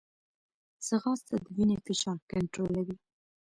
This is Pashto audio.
ځغاسته د وینې فشار کنټرولوي